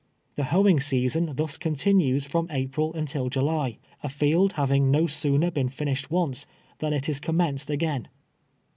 The hoeing season thus continues from April until Jnly, a field having no sooner been finished once, than it is commenced again.